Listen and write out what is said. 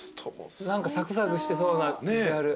何かサクサクしてそうなビジュアル。